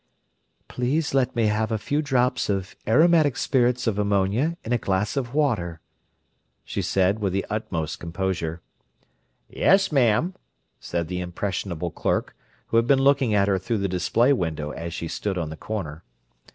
"Please let me have a few drops of aromatic spirits of ammonia in a glass of water," she said, with the utmost composure. "Yes, ma'am!" said the impressionable clerk, who had been looking at her through the display window as she stood on the corner.